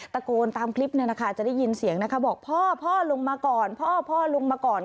ตะโกนตามคลิปจะได้ยินเสียงบอกพ่อพ่อลงมาก่อนพ่อพ่อลงมาก่อน